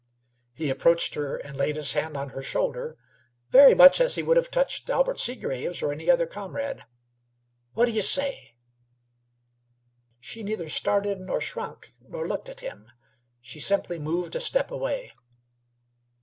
He approached her and laid his hand on her shoulder very much as he would have touched Albert Seagraves or any other comrade. "Whaddy y' say?" She neither started nor shrunk nor looked at him. She simply moved a step away.